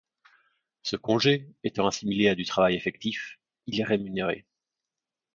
Ce congé étant assimilé à du travail effectif, il est rémunéré.